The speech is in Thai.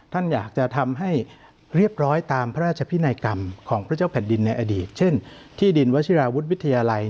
ท่านอยากจะทำให้เรียบร้อยตามพระราชพินัยกรรมของพระเจ้าแผ่นดินในอดีต